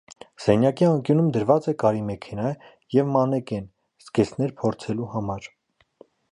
Սենյակի անկյունում դրված է կարի մեքենա և մանեկեն՝ զգեստներ փորձելու համար։